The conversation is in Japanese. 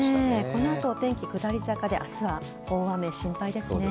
この後、お天気下り坂で明日は大雨、心配ですね。